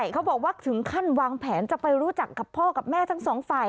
เขาบอกว่าถึงขั้นวางแผนจะไปรู้จักกับพ่อกับแม่ทั้งสองฝ่าย